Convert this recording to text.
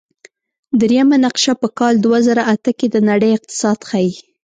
دریمه نقشه په کال دوه زره اته کې د نړۍ اقتصاد ښيي.